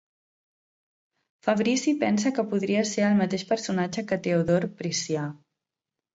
Fabrici pensa que podria ser el mateix personatge que Teodor Priscià.